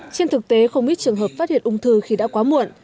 trên thực tế không ít trường hợp phát hiện ung thư khi đã quá muộn